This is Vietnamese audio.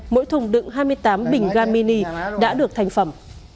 mỗi thùng đựng hai mươi tám bình ga mini đã được thành phẩm